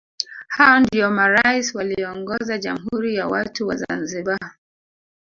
Hao ndio marais walioongoza Jamhuri ya watu wa Zanzibar